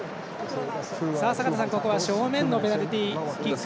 坂田さん、ここは正面のペナルティキック。